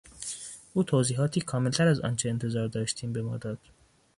او توضیحاتی کاملتر از آنچه انتظار داشتیم به ما داد.